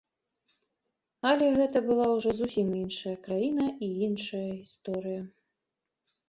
Але гэта была ўжо зусім іншая краіна і іншая гісторыя.